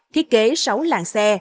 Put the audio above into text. thiết kế sáu làng xe